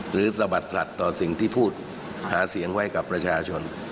สะบัดสัตว์ต่อสิ่งที่พูดหาเสียงไว้กับประชาชน